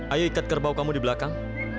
ayo ikat kerbau kamu di belakang